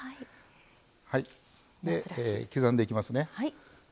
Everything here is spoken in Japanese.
はい刻んでいきますね。